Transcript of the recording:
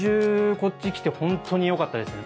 こっち来て本当によかったですね。